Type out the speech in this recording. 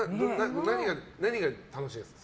何が楽しいんですか？